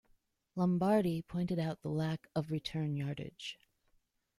Lombardi pointed out the lack of return yardage.